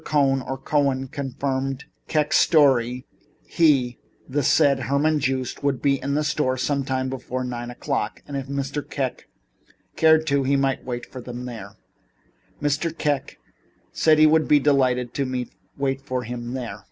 Cohn or Cohen confirmed Mr. Kek's story he, the said Herman Joost, would be at the store sometime before nine o'clock, and if Mr. Kek cared to, he might await him there. Mr. Kek said he would be delighted to wait for him there.